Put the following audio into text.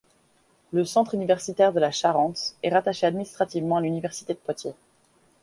Le Centre universitaire de la Charente est rattaché administrativement à l'université de Poitiers.